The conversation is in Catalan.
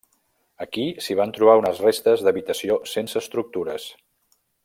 Aquí s'hi van trobar unes restes d'habitació sense estructures.